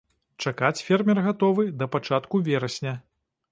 Чакаць фермер гатовы да пачатку верасня.